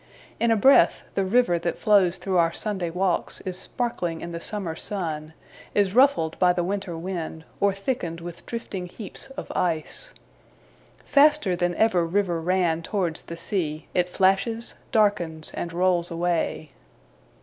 In a breath, the river that flows through our Sunday walks is sparkling in the summer sun, is ruffled by the winter wind, or thickened with drifting heaps of ice. Faster than ever river ran towards the sea, it flashes, darkens, and rolls away.